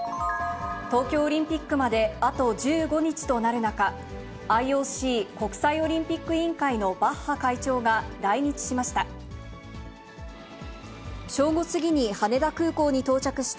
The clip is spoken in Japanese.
東京オリンピックまであと１５日となる中、ＩＯＣ・国際オリンピック委員会のバッハ会長が来日しました。